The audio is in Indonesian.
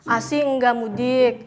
asi gak mudik